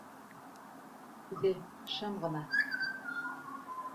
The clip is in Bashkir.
Үҙе.шым ғына: